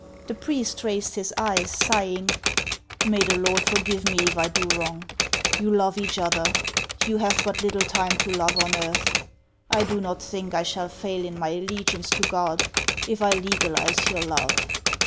The priest raised his eyes, sighing :" May the Lord forgive me if I do wrong ! You love each other; you have but little time to love on earth. I do not think I shall fail in my allegiance to God if I legalize your love."